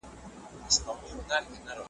څنګه دا کور او دا جومات او دا قلا سمېږي ,